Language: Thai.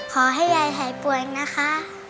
ขอให้ยายหายป่วยนะคะ